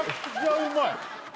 うまい！